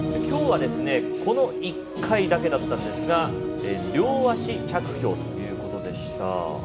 きょうはこの１回だけだったんですが両足着氷ということでした。